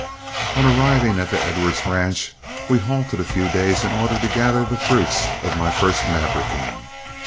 On arriving at the Edwards ranch, we halted a few days in order to gather the fruits of my first mavericking.